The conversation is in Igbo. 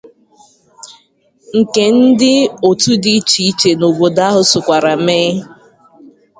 nke ndị otu dị iche iche n'obodo ahụ sokwara mee.